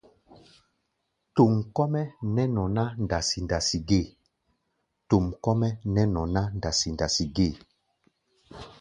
Tom kɔ́-mɛ́ nɛ́ nɔ ná ndasi-ndasi gée.